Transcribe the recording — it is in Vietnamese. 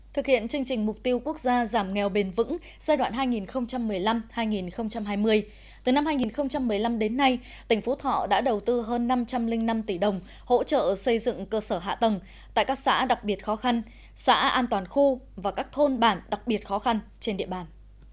thực hiện chương trình mục tiêu quốc gia giảm nghèo bền vững giai đoạn hai nghìn một mươi năm hai nghìn hai mươi từ năm hai nghìn một mươi năm đến nay tỉnh phú thọ đã đầu tư hơn năm trăm linh năm tỷ đồng hỗ trợ xây dựng cơ sở hạ tầng tại các xã đặc biệt khó khăn xã an toàn khu và các thôn bản đặc biệt khó khăn trên địa bàn